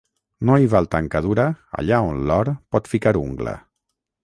No hi val tancadura allà on l'or pot ficar ungla.